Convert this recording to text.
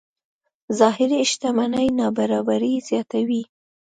ظاهري شتمنۍ نابرابرۍ زیاتوي.